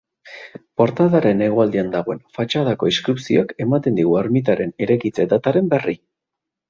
Portadaren hegoaldean dagoen fatxadako inskripzioak ematen digu ermitaren eraikitze-dataren berri.